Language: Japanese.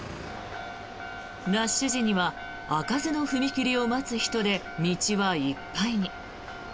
ラッシュ時には開かずの踏切を待つ人で道はいっぱいに。